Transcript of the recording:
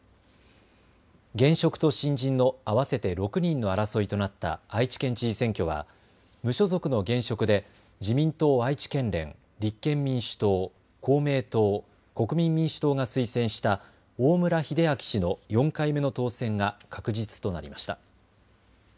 現職と新人の合わせて６人の争いとなった愛知県知事選挙は無所属の現職で自民党愛知県連、立憲民主党、公明党、国民民主党が推薦した大村秀章氏の４回目の当選が確実となりました。